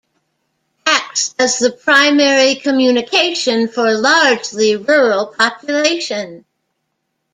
Acts as the primary communication for largely rural population.